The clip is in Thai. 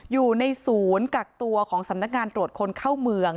อยู่ในศูนย์กักตัวของสำนักงานตรวจคนเข้าเมือง